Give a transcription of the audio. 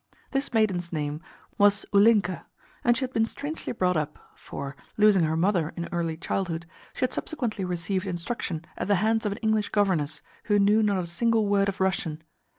This maiden's name was Ulinka, and she had been strangely brought up, for, losing her mother in early childhood, she had subsequently received instruction at the hands of an English governess who knew not a single word of Russian.